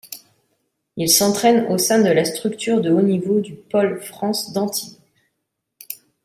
Il s'entraine au sein de la structure de haut niveau du Pôle France d'Antibes.